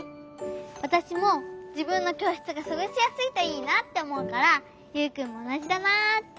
わたしもじぶんのきょうしつがすごしやすいといいなっておもうからユウくんもおなじだなって。